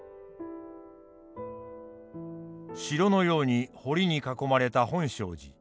城のように堀に囲まれた本證寺。